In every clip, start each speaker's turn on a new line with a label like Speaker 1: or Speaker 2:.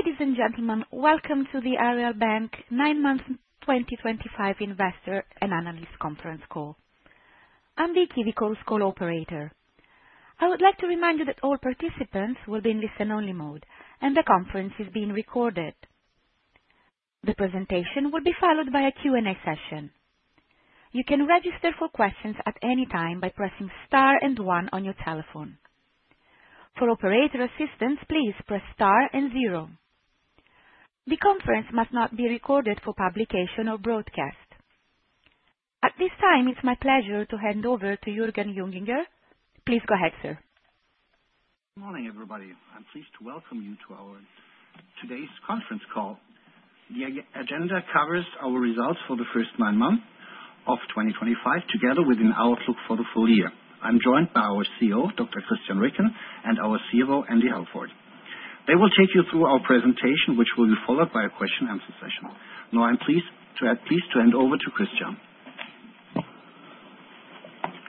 Speaker 1: Ladies and gentlemen, welcome to the Aareal Bank 9 Months 2025 Investor and Analyst Conference Call. I'm the KiwiCalls Call Operator. I would like to remind you that all participants will be in listen-only mode, and the conference is being recorded. The presentation will be followed by a Q&A session. You can register for questions at any time by pressing star and one on your telephone. For operator assistance, please press star and zero. The conference must not be recorded for publication or broadcast. At this time, it's my pleasure to hand over to Jürgen Junginger. Please go ahead, sir.
Speaker 2: Good morning, everybody. I'm pleased to welcome you to our today's conference call. The agenda covers our results for the first nine months of 2025, together with an outlook for the full year. I'm joined by our CEO, Dr. Christian Ricken, and our CFO, Andy Halford. They will take you through our presentation, which will be followed by a question-and-answer session. Now, I'm pleased to hand over to Christian.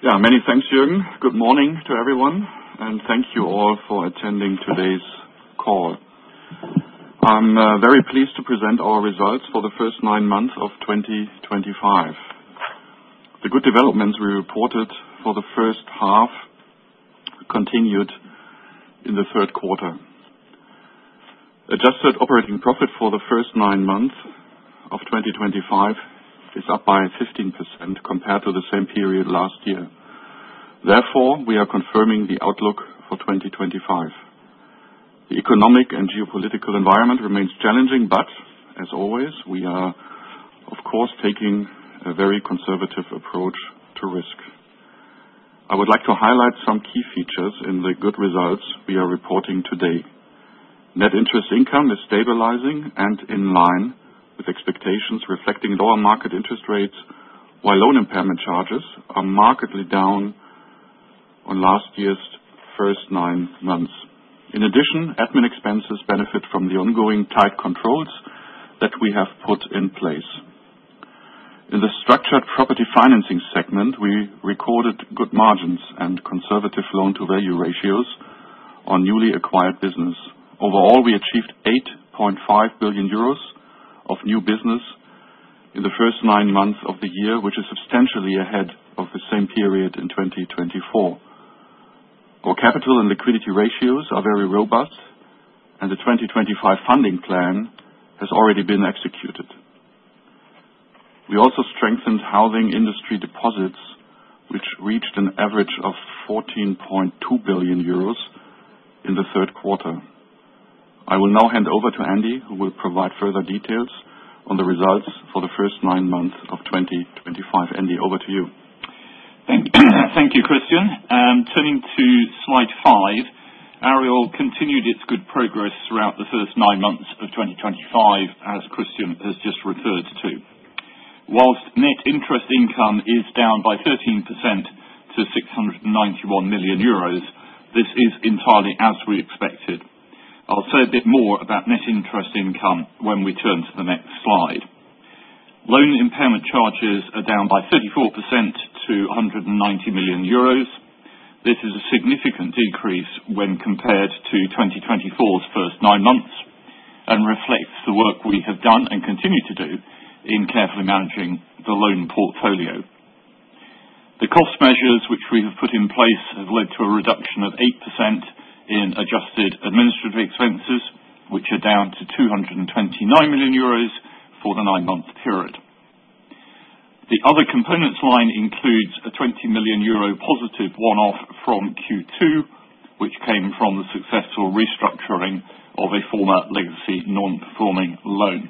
Speaker 3: Yeah, many thanks, Jürgen. Good morning to everyone, and thank you all for attending today's call. I'm very pleased to present our results for the first nine months of 2025. The good developments we reported for the first half continued in the third quarter. Adjusted operating profit for the first nine months of 2025 is up by 15% compared to the same period last year. Therefore, we are confirming the outlook for 2025. The economic and geopolitical environment remains challenging, but, as always, we are, of course, taking a very conservative approach to risk. I would like to highlight some key features in the good results we are reporting today. Net interest income is stabilizing and in line with expectations, reflecting lower market interest rates, while loan impairment charges are markedly down on last year's first nine months. In addition, admin expenses benefit from the ongoing tight controls that we have put in place. In the Structured Property Financing segment, we recorded good margins and conservative loan-to-value ratios on newly acquired business. Overall, we achieved 8.5 billion euros of new business in the first nine months of the year, which is substantially ahead of the same period in 2024. Our capital and liquidity ratios are very robust, and the 2025 funding plan has already been executed. We also strengthened housing industry deposits, which reached an average of 14.2 billion euros in the third quarter. I will now hand over to Andy, who will provide further details on the results for the first nine months of 2025. Andy, over to you.
Speaker 4: Thank you, Christian. Turning to slide five, Aareal continued its good progress throughout the first nine months of 2025, as Christian has just referred to. Whilst net interest income is down by 13% to 691 million euros, this is entirely as we expected. I'll say a bit more about net interest income when we turn to the next slide. Loan impairment charges are down by 34% to 190 million euros. This is a significant decrease when compared to 2024's first nine months and reflects the work we have done and continue to do in carefully managing the loan portfolio. The cost measures which we have put in place have led to a reduction of 8% in adjusted administrative expenses, which are down to EUR 229 million for the nine-month period. The other components line includes a 20 million euro positive one-off from Q2, which came from the successful restructuring of a former legacy non-performing loan.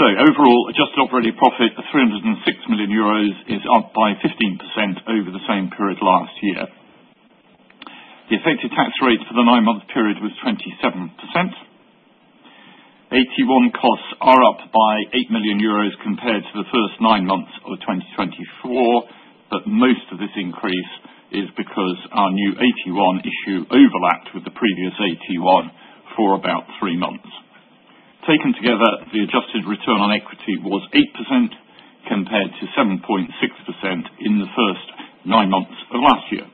Speaker 4: Overall, adjusted operating profit of EUR 306 million is up by 15% over the same period last year. The effective tax rate for the nine-month period was 27%. 81 costs are up by 8 million euros compared to the first nine months of 2024, but most of this increase is because our new 81 issue overlapped with the previous 81 for about three months. Taken together, the adjusted return on equity was 8% compared to 7.6% in the first nine months of last year.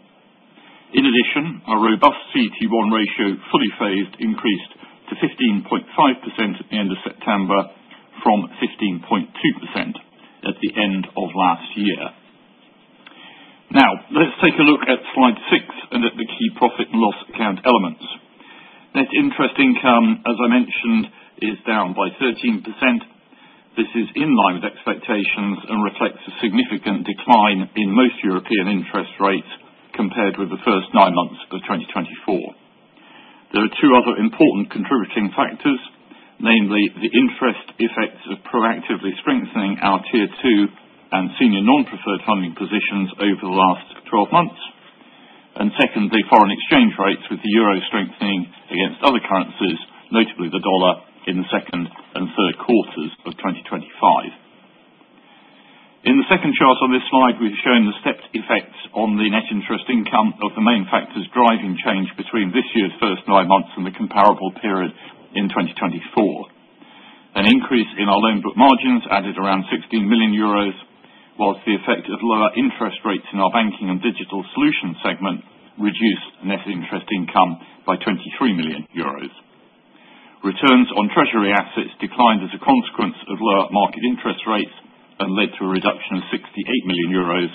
Speaker 4: In addition, our robust CET1 ratio fully phased increased to 15.5% at the end of September from 15.2% at the end of last year. Now, let's take a look at slide six and at the key profit and loss account elements. Net interest income, as I mentioned, is down by 13%. This is in line with expectations and reflects a significant decline in most European interest rates compared with the first nine months of 2024. There are two other important contributing factors, namely the interest effects of proactively strengthening our tier two and senior non-preferred funding positions over the last 12 months, and secondly, foreign exchange rates with the euro strengthening against other currencies, notably the dollar, in the second and third quarters of 2025. In the second chart on this slide, we've shown the stepped effects on the net interest income of the main factors driving change between this year's first nine months and the comparable period in 2024. An increase in our loan book margins added around 16 million euros, whilst the effect of lower interest rates in our banking and digital solution segment reduced net interest income by EUR 23 million. Returns on treasury assets declined as a consequence of lower market interest rates and led to a reduction of 68 million euros,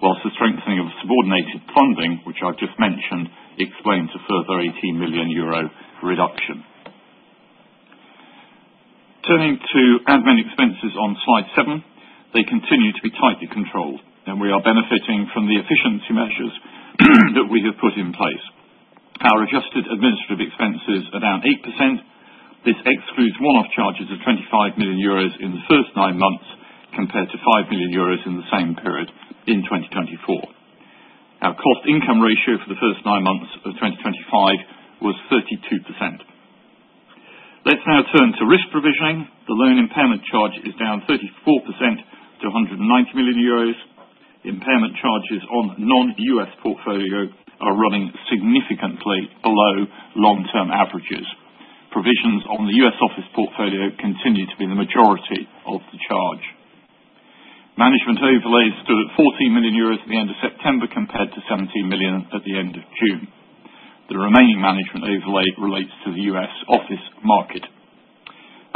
Speaker 4: whilst the strengthening of subordinated funding, which I've just mentioned, explained a further 18 million euro reduction. Turning to admin expenses on slide seven, they continue to be tightly controlled, and we are benefiting from the efficiency measures that we have put in place. Our adjusted administrative expenses are down 8%. This excludes one-off charges of 25 million euros in the first nine months compared to 5 million euros in the same period in 2024. Our cost income ratio for the first nine months of 2025 was 32%. Let's now turn to risk provisioning. The loan impairment charge is down 34% to 190 million euros. Impairment charges on non-U.S. portfolio are running significantly below long-term averages. Provisions on the U.S. office portfolio continue to be the majority of the charge. Management overlay stood at 14 million euros at the end of September compared to 17 million at the end of June. The remaining management overlay relates to the U.S. office market.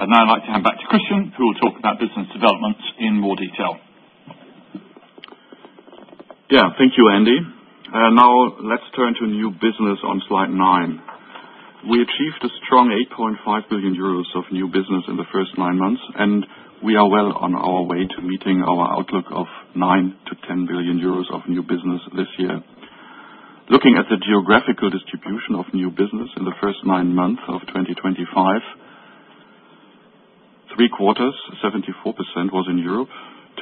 Speaker 4: I'd now like to hand back to Christian, who will talk about business developments in more detail.
Speaker 3: Yeah, thank you, Andy. Now, let's turn to new business on slide nine. We achieved a strong 8.5 billion euros of new business in the first nine months, and we are well on our way to meeting our outlook of 9-10 billion euros of new business this year. Looking at the geographical distribution of new business in the first nine months of 2025, three quarters, 74%, was in Europe,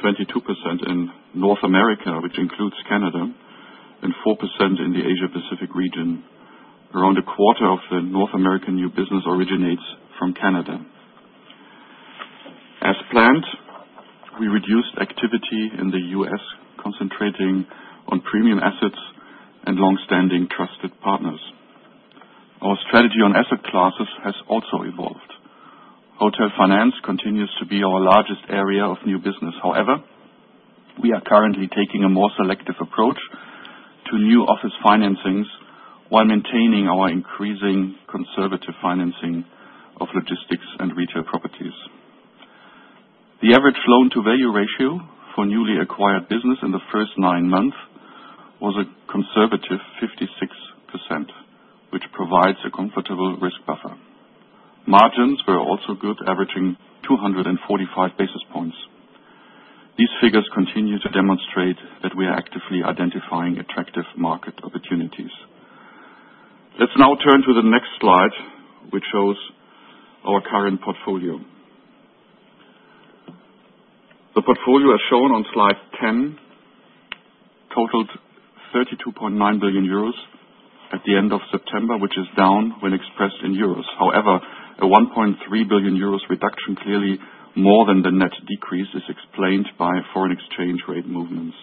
Speaker 3: 22% in North America, which includes Canada, and 4% in the Asia-Pacific region. Around a quarter of the North American new business originates from Canada. As planned, we reduced activity in the U.S., concentrating on premium assets and long-standing trusted partners. Our strategy on asset classes has also evolved. Hotel finance continues to be our largest area of new business. However, we are currently taking a more selective approach to new office financings while maintaining our increasing conservative financing of logistics and retail properties. The average loan-to-value ratio for newly acquired business in the first nine months was a conservative 56%, which provides a comfortable risk buffer. Margins were also good, averaging 245 basis points. These figures continue to demonstrate that we are actively identifying attractive market opportunities. Let's now turn to the next slide, which shows our current portfolio. The portfolio as shown on slide ten totaled 32.9 billion euros at the end of September, which is down when expressed in euros. However, a 1.3 billion euros reduction, clearly more than the net decrease, is explained by foreign exchange rate movements.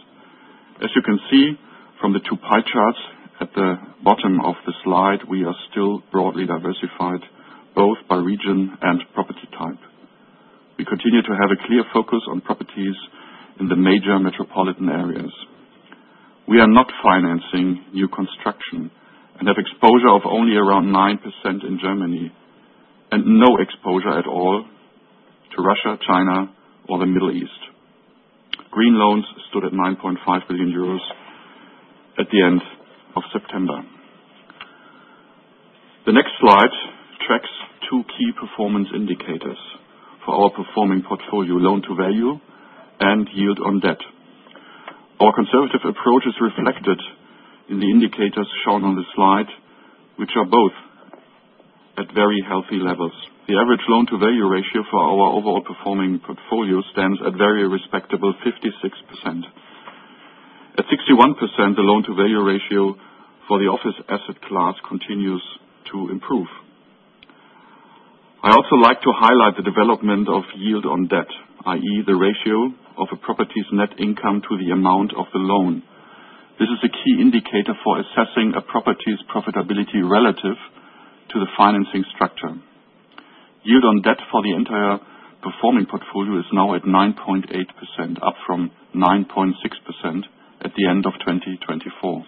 Speaker 3: As you can see from the two pie charts at the bottom of the slide, we are still broadly diversified, both by region and property type. We continue to have a clear focus on properties in the Major Metropolitan Areas. We are not financing new construction and have exposure of only around 9% in Germany and no exposure at all to Russia, China, or the Middle East. Green loans stood at 9.5 billion euros at the end of September. The next slide tracks two key performance indicators for our Performing Portfolio: loan-to-value and yield on debt. Our conservative approach is reflected in the indicators shown on the slide, which are both at very healthy levels. The average loan-to-value ratio for our overall Performing Portfolio stands at a very respectable 56%. At 61%, the loan-to-value ratio for the office asset class continues to improve. I also like to highlight the development of yield on debt, i.e., the ratio of a property's net income to the amount of the loan. This is a key indicator for assessing a property's profitability relative to the financing structure. Yield on debt for the entire Performing Portfolio is now at 9.8%, up from 9.6% at the end of 2024.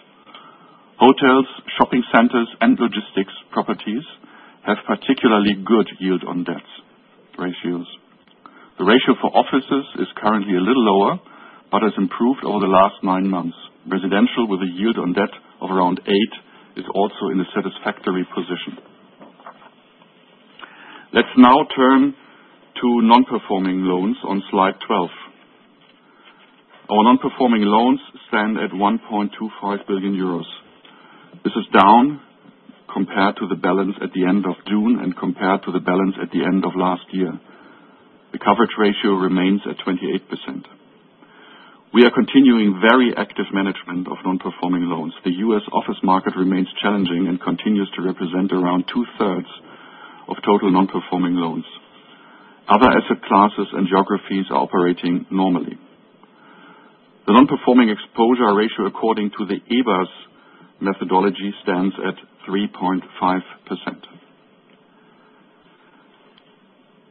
Speaker 3: Hotels, Shopping centers, and logistics properties have particularly good yield on debt ratios. The ratio for offices is currently a little lower but has improved over the last nine months. Residential, with a yield on debt of around 8%, is also in a satisfactory position. Let's now turn to Non-performing Loans on slide 12. Our Non-performing Loans stand at 1.25 billion euros. This is down compared to the balance at the end of June and compared to the balance at the end of last year. The Coverage Ratio remains at 28%. We are continuing very active management of Non-performing Loans. The U.S. office market remains challenging and continues to represent around two-thirds of total Non-performing Loans. Other asset classes and geographies are operating normally. The non-performing exposure ratio, according to the EBA's methodology, stands at 3.5%.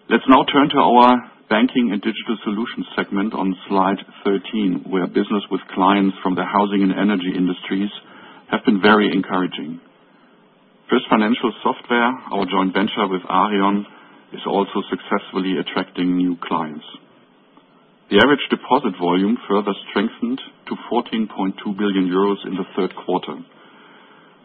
Speaker 3: Let's now turn to our Banking and Digital Solutions segment on slide 13, where business with clients from the housing and energy industries have been very encouraging. Frisi Financial Software, our joint venture with Aareal, is also successfully attracting new clients. The average deposit volume further strengthened to 14.2 billion euros in the third quarter.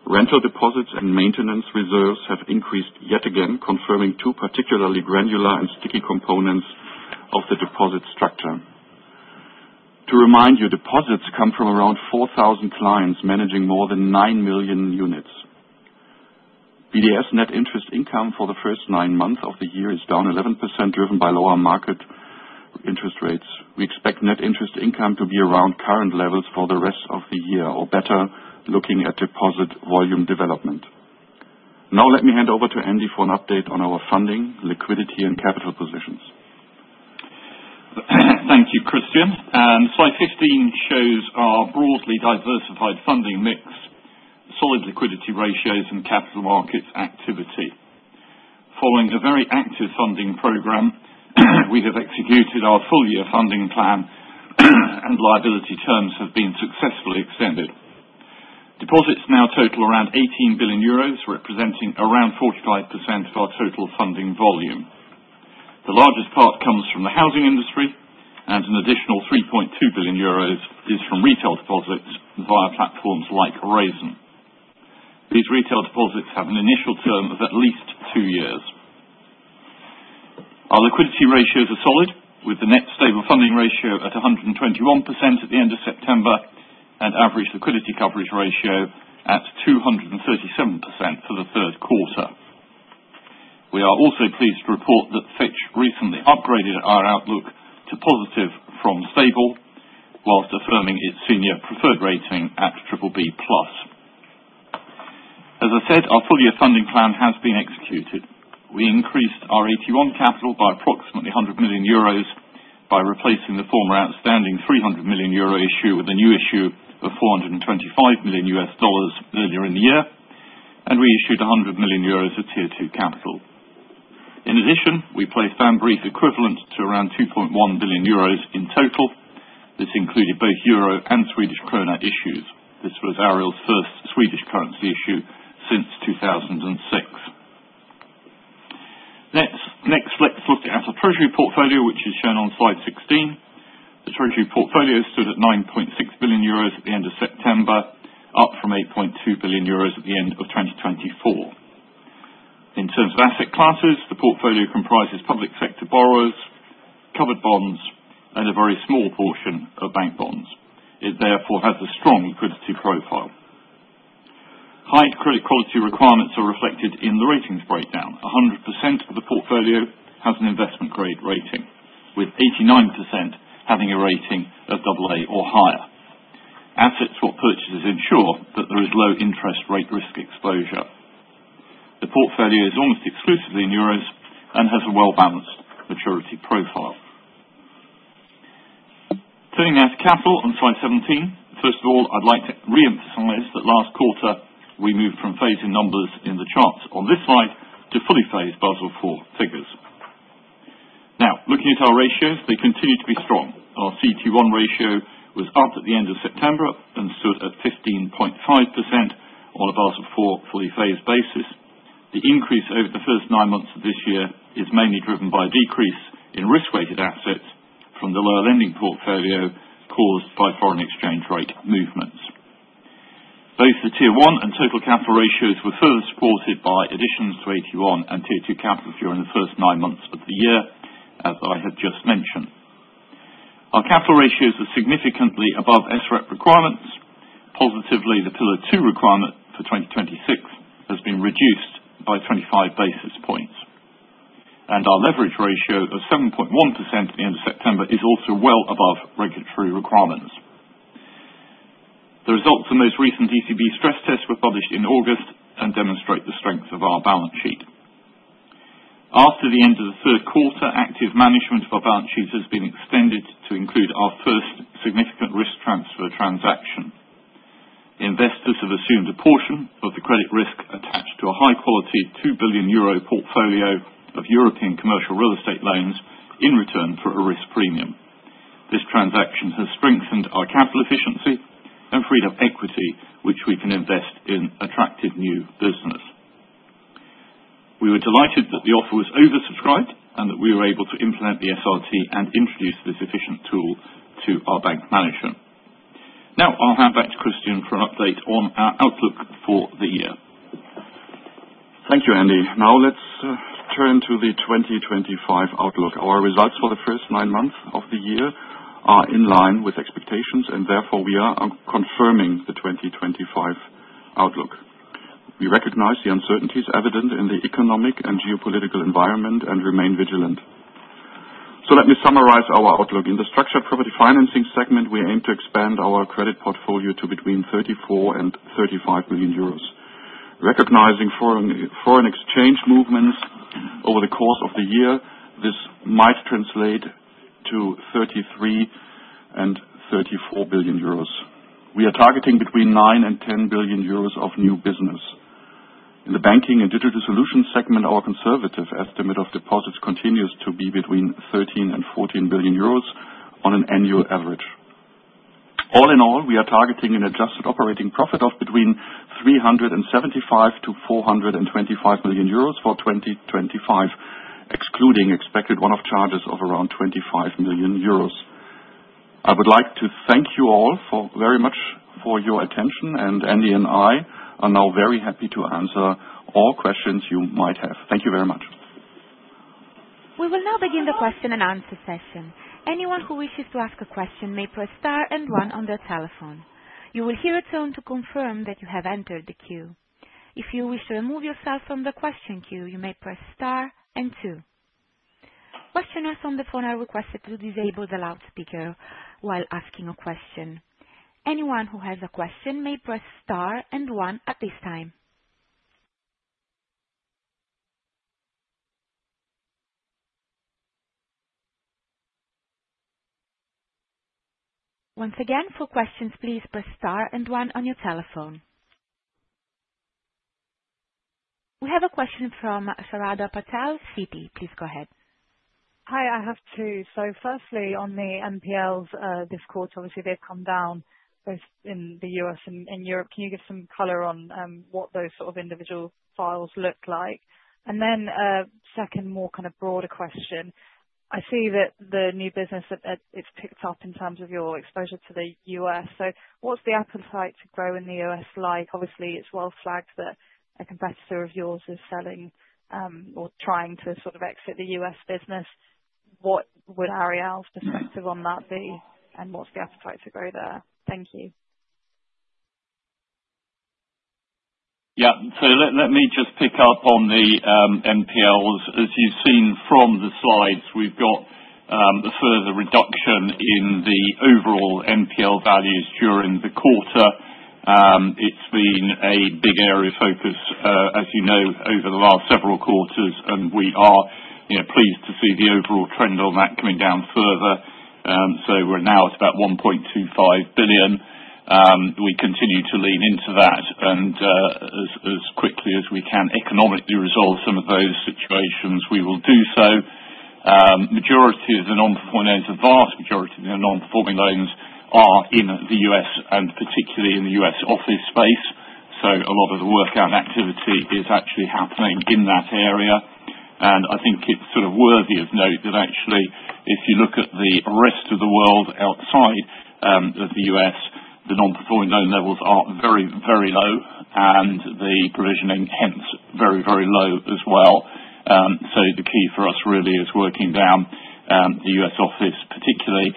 Speaker 3: Rental deposits and maintenance reserves have increased yet again, confirming two particularly granular and sticky components of the deposit structure. To remind you, deposits come from around 4,000 clients managing more than 9 million units. BDS net interest income for the first nine months of the year is down 11%, driven by lower market interest rates. We expect net interest income to be around current levels for the rest of the year, or better, looking at deposit volume development. Now, let me hand over to Andy for an update on our funding, liquidity, and capital positions.
Speaker 4: Thank you, Christian. Slide 15 shows our broadly diversified funding mix, solid liquidity ratios, and capital markets activity. Following a very active funding program, we have executed our full-year funding plan, and liability terms have been successfully extended. Deposits now total around 18 billion euros, representing around 45% of our total funding volume. The largest part comes from the housing industry, and an additional 3.2 billion euros is from retail deposits via platforms like Raisin. These retail deposits have an initial term of at least two years. Our liquidity ratios are solid, with the net stable funding ratio at 121% at the end of September and average liquidity coverage ratio at 237% for the third quarter. We are also pleased to report that Fitch recently upgraded our outlook to positive from stable, whilst affirming its senior preferred rating at BBB plus. As I said, our full-year funding plan has been executed. We increased our CET1 capital by approximately 100 million euros by replacing the former outstanding 300 million euro issue with a new issue of EUR 425 million earlier in the year, and we issued 100 million euros of Tier 2 capital. In addition, we placed debt equivalent to around 2.1 billion euros in total. This included both euro and Swedish krona issues. This was Aareal Bank's first Swedish currency issue since 2006. Next, let's look at the treasury portfolio, which is shown on slide 16. The treasury portfolio stood at 9.6 billion euros at the end of September, up from 8.2 billion euros at the end of 2024. In terms of asset classes, the portfolio comprises public sector borrowers, covered bonds, and a very small portion of bank bonds. It, therefore, has a strong liquidity profile. High credit quality requirements are reflected in the ratings breakdown. 100% of the portfolio has an investment-grade rating, with 89% having a rating of AA or higher. Assets or purchases ensure that there is low interest rate risk exposure. The portfolio is almost exclusively in EUR and has a well-balanced maturity profile. Turning now to capital on slide 17, first of all, I'd like to re-emphasize that last quarter we moved from phasing numbers in the charts on this slide to fully phased Basel IV figures. Now, looking at our ratios, they continue to be strong. Our CET1 ratio was up at the end of September and stood at 15.5% on a Basel IV fully phased basis. The increase over the first nine months of this year is mainly driven by a decrease in risk-weighted assets from the lower lending portfolio caused by foreign exchange rate movements. Both the tier one and total capital ratios were further supported by additions to 81 and tier two capital during the first nine months of the year, as I have just mentioned. Our capital ratios are significantly above SREP requirements. Positively, the pillar two requirement for 2026 has been reduced by 25 basis points, and our leverage ratio of 7.1% at the end of September is also well above regulatory requirements. The results of the most recent ECB stress test were published in August and demonstrate the strength of our balance sheet. After the end of the third quarter, active management of our balance sheets has been extended to include our first significant risk transfer transaction. Investors have assumed a portion of the credit risk attached to a high-quality 2 billion euro portfolio of European commercial real estate loans in return for a risk premium. This transaction has strengthened our capital efficiency and freed up equity, which we can invest in attractive new business. We were delighted that the offer was oversubscribed and that we were able to implement the SRT and introduce this efficient tool to our bank management. Now, I'll hand back to Christian for an update on our outlook for the year.
Speaker 3: Thank you, Andy. Now, let's turn to the 2025 outlook. Our results for the first nine months of the year are in line with expectations, and therefore we are confirming the 2025 outlook. We recognize the uncertainties evident in the economic and geopolitical environment and remain vigilant. Let me summarize our outlook. In the Structured Property Financing Segment, we aim to expand our credit portfolio to between 34 billion and 35 billion euros. Recognizing foreign exchange movements over the course of the year, this might translate to 33 billion and 34 billion euros. We are targeting between 9 billion and 10 billion euros of new business. In the banking and digital solutions segment, our conservative estimate of deposits continues to be between 13 billion and 14 billion euros on an annual average. All in all, we are targeting an adjusted operating profit of between 375 million-425 million euros for 2025, excluding expected one-off charges of around 25 million euros. I would like to thank you all very much for your attention, and Andy and I are now very happy to answer all questions you might have. Thank you very much.
Speaker 1: We will now begin the question and answer session. Anyone who wishes to ask a question may press star and one on their telephone. You will hear a tone to confirm that you have entered the queue. If you wish to remove yourself from the question queue, you may press star and two. Questioners on the phone are requested to disable the loudspeaker while asking a question. Anyone who has a question may press star and one at this time. Once again, for questions, please press star and one on your telephone. We have a question from Sharada Patel, Citi. Please go ahead.
Speaker 5: Hi, I have two. Firstly, on the NPLs this quarter, obviously they've come down both in the U.S. and Europe. Can you give some color on what those sort of individual files look like? A second, more kind of broader question. I see that the new business, it's picked up in terms of your exposure to the U.S. What is the appetite to grow in the U.S. like? Obviously, it's well flagged that a competitor of yours is selling or trying to sort of exit the U.S. business. What would Aareal's perspective on that be, and what is the appetite to grow there? Thank you.
Speaker 4: Yeah, so let me just pick up on the NPLs. As you've seen from the slides, we've got a further reduction in the overall NPL values during the quarter. It's been a big area of focus, as you know, over the last several quarters, and we are pleased to see the overall trend on that coming down further. We're now at about 1.25 billion. We continue to lean into that, and as quickly as we can economically resolve some of those situations, we will do so. The majority of the Non-performing Loans, a vast majority of the Non-performing Loans, are in the US, and particularly in the US office space. A lot of the work and activity is actually happening in that area. I think it is sort of worthy of note that actually, if you look at the rest of the world outside of the U.S., the non-performing loan levels are very, very low, and the provisioning, hence, very, very low as well. The key for us really is working down the U.S. office, particularly,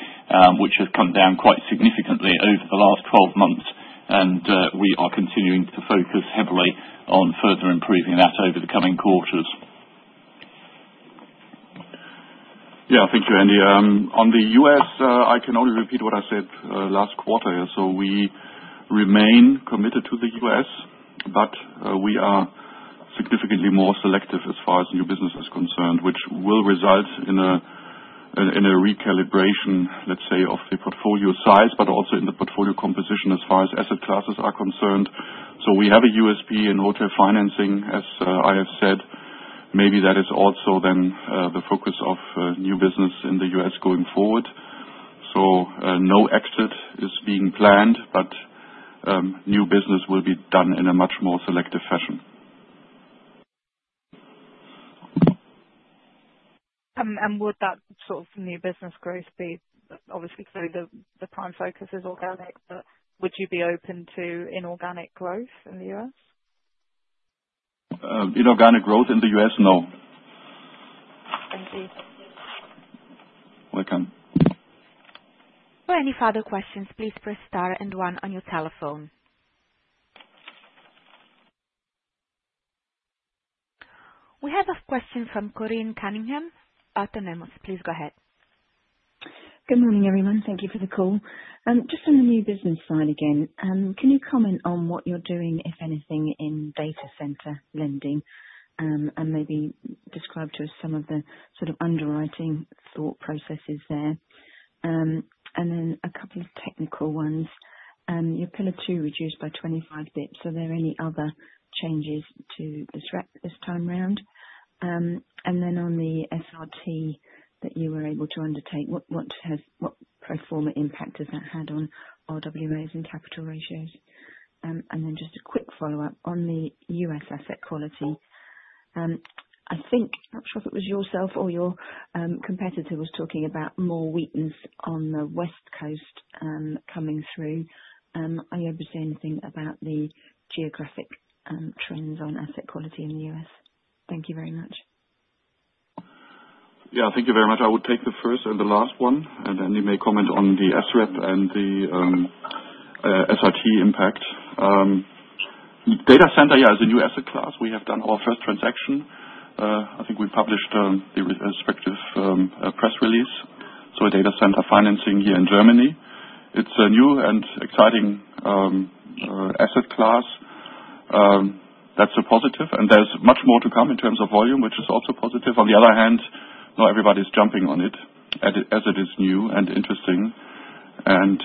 Speaker 4: which has come down quite significantly over the last 12 months, and we are continuing to focus heavily on further improving that over the coming quarters.
Speaker 3: Yeah, thank you, Andy. On the U.S., I can only repeat what I said last quarter. We remain committed to the U.S., but we are significantly more selective as far as new business is concerned, which will result in a recalibration, let's say, of the portfolio size, but also in the portfolio composition as far as asset classes are concerned. We have a USP in hotel financing, as I have said. Maybe that is also then the focus of new business in the U.S. going forward. No exit is being planned, but new business will be done in a much more selective fashion.
Speaker 5: Would that sort of new business growth be, obviously, the prime focus is organic, but would you be open to inorganic growth in the US?
Speaker 3: Inorganic growth in the US, no.
Speaker 5: Thank you.
Speaker 3: Welcome.
Speaker 1: For any further questions, please press star and one on your telephone. We have a question from Corinne Cunningham at Autonomous Research. Please go ahead.
Speaker 6: Good morning, everyone. Thank you for the call. Just on the new business side again, can you comment on what you're doing, if anything, in data center lending, and maybe describe to us some of the sort of underwriting thought processes there? A couple of technical ones. Your pillar two reduced by 25 basis points, so are there any other changes to this time around? On the SRT that you were able to undertake, what pro forma impact has that had on RWAs and capital ratios? Just a quick follow-up on the US asset quality. I think, I'm not sure if it was yourself or your competitor, was talking about more weakness on the West Coast coming through. Are you able to say anything about the geographic trends on asset quality in the US? Thank you very much.
Speaker 3: Yeah, thank you very much. I would take the first and the last one, and Andy may comment on the SREP and the SRT impact. Data center, yeah, is a new asset class. We have done our first transaction. I think we published the respective press release. So data center financing here in Germany, it's a new and exciting asset class. That's a positive, and there's much more to come in terms of volume, which is also positive. On the other hand, not everybody's jumping on it, as it is new and interesting, and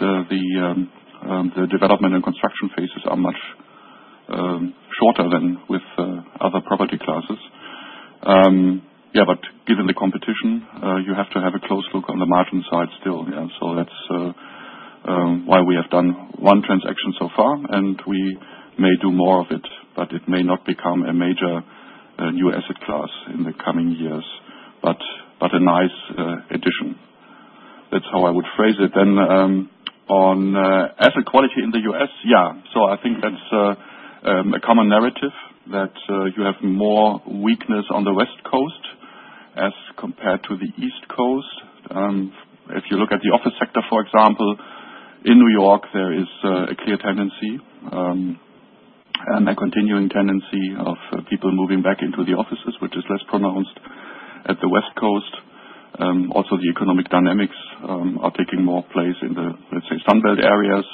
Speaker 3: the development and construction phases are much shorter than with other property classes. Yeah, but given the competition, you have to have a close look on the margin side still. Yeah, so that's why we have done one transaction so far, and we may do more of it, but it may not become a major new asset class in the coming years, but a nice addition. That's how I would phrase it. On asset quality in the US, yeah, I think that's a common narrative that you have more weakness on the West Coast as compared to the East Coast. If you look at the office sector, for example, in New York, there is a clear tendency and a continuing tendency of people moving back into the offices, which is less pronounced at the West Coast. Also, the economic dynamics are taking more place in the, let's say, Sunbelt areas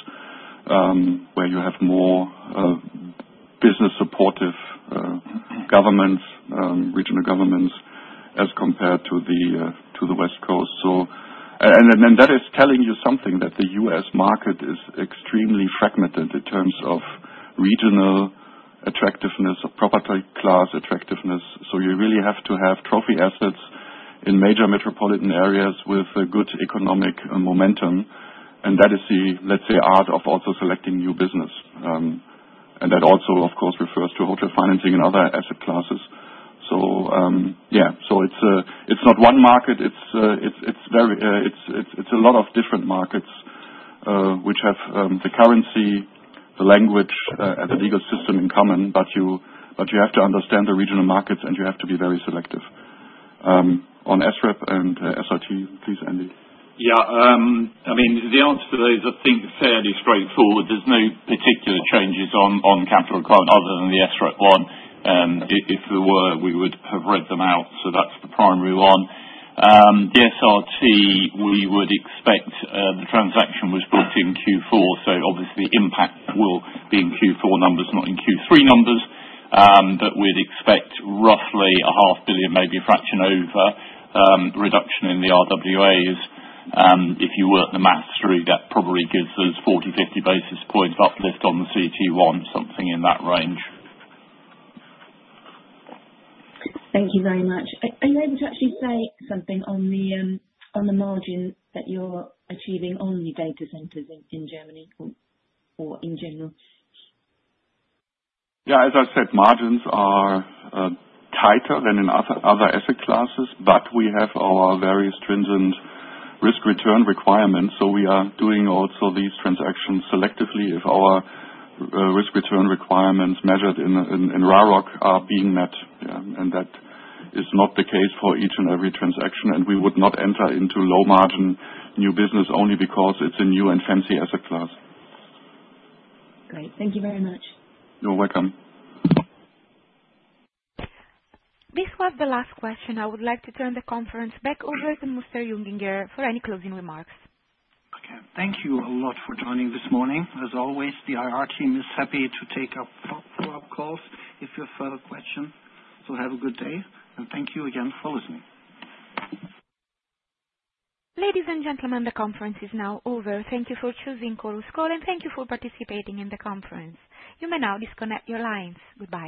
Speaker 3: where you have more business-supportive governments, regional governments, as compared to the West Coast. That is telling you something, that the U.S. market is extremely fragmented in terms of regional attractiveness, of property class attractiveness. You really have to have trophy assets in Major Metropolitan Areas with good economic momentum, and that is the, let's say, art of also selecting new business. That also, of course, refers to hotel financing and other asset classes. Yeah, it's not one market. It's a lot of different markets which have the currency, the language, and the legal system in common, but you have to understand the regional markets, and you have to be very selective. On SREP and SRT, please, Andy.
Speaker 4: Yeah, I mean, the answer to those I think is fairly straightforward. There's no particular changes on capital requirement other than the SREP one. If there were, we would have read them out, so that's the primary one. The SRT, we would expect the transaction was booked in Q4, so obviously impact will be in Q4 numbers, not in Q3 numbers, but we'd expect roughly 500 million, maybe a fraction over, reduction in the RWAs. If you work the maths through, that probably gives us 40-50 basis points uplift on the CET1, something in that range.
Speaker 6: Thank you very much. Are you able to actually say something on the margin that you're achieving on the data centers in Germany or in general?
Speaker 3: Yeah, as I said, margins are tighter than in other asset classes, but we have our very stringent risk-return requirements, so we are doing also these transactions selectively if our risk-return requirements measured in RAROC are being met. That is not the case for each and every transaction, and we would not enter into low-margin new business only because it is a new and fancy asset class.
Speaker 6: Great. Thank you very much.
Speaker 3: You're welcome.
Speaker 1: This was the last question. I would like to turn the conference back over to Mr. Junginger for any closing remarks.
Speaker 2: Okay. Thank you a lot for joining this morning. As always, the IR team is happy to take up follow-up calls if you have further questions. Have a good day, and thank you again for listening.
Speaker 1: Ladies and gentlemen, the conference is now over. Thank you for choosing Coruscore, and thank you for participating in the conference. You may now disconnect your lines. Goodbye.